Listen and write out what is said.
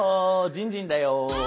じんじんだよ。